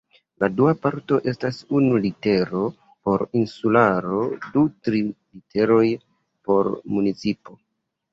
La dua parto estas unu litero por insularo du tri literoj por municipo.